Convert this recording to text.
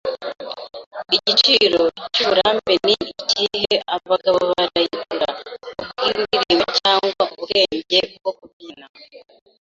Igiciro cyUburambe ni ikihe abagabo barayigura kubwindirimboCyangwa ubwenge bwo kubyina